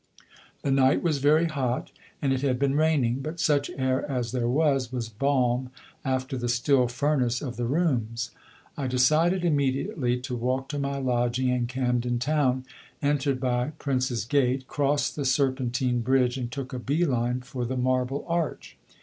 The night was very hot and it had been raining; but such air as there was was balm after the still furnace of the rooms. I decided immediately to walk to my lodging in Camden Town, entered by Prince's Gate, crossed the Serpentine Bridge and took a bee line for the Marble Arch.